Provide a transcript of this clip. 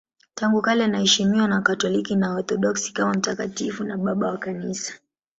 Tangu kale anaheshimiwa na Wakatoliki na Waorthodoksi kama mtakatifu na Baba wa Kanisa.